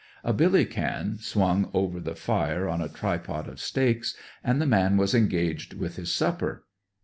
A billy can swung over the fire on a tripod of stakes, and the man was engaged with his supper.